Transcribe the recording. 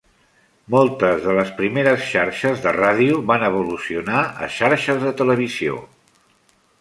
Moltes de les primeres xarxes de ràdio van evolucionar a xarxes de televisió.